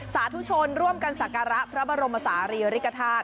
สาธุชนร่วมกันสักการะพระบรมศาลีริกฐาตุ